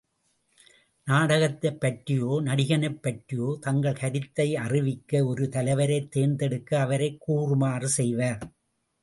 நாடகத்தைப் பற்றியோ நடிகனைப் பற்றியோ தங்கள் கருத்தை அறிவிக்க ஒரு தலைவரைத் தேர்ந்தெடுத்து அவரைக் கூறுமாறு செய்வர்.